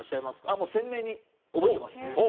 もう、鮮明に覚えてます。